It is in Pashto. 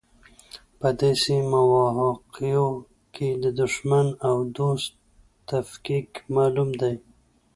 په داسې مواقعو کې د دوښمن او دوست تفکیک معلوم دی.